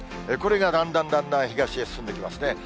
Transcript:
これがだんだんだんだん東へ進んできますね。